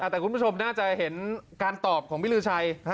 แต่คุณผู้ชมน่าจะเห็นการตอบของพี่ลือชัย